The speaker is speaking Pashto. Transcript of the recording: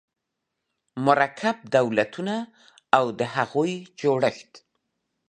مرکب دولتونه او د هغوی جوړښت